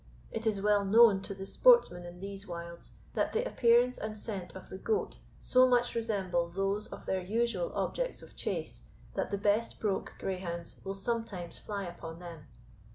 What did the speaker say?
It is well known to the sportsmen in these wilds, that the appearance and scent of the goat so much resemble those of their usual objects of chase, that the best broke greyhounds will sometimes fly upon them.